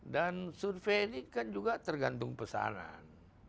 dan survei ini kan juga tergantung pesanan